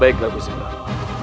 baiklah gusti prabu